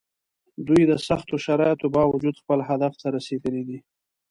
دوی د سختو شرایطو باوجود خپل هدف ته رسېدلي دي.